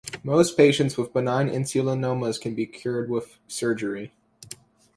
Most patients with benign insulinomas can be cured with surgery.